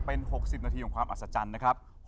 เป็น๖๐นาทีของความอัศจรรย์นะครับ